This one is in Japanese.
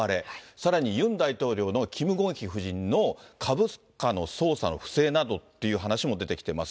さらに、ユン大統領のキム・ゴンヒ夫人の株価の操作の不正などっていう話も出てきてます。